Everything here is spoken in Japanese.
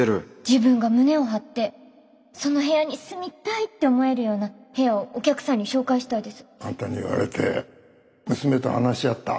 自分が胸を張ってその部屋に住みたいって思えるような部屋をお客さんに紹介したいですあんたに言われて娘と話し合った。